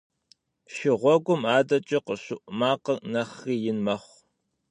Шыгъуэгум адэкӏэ къыщыӏу макъыр нэхъри ин мэхъу.